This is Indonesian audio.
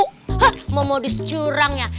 hah mau modus curang ya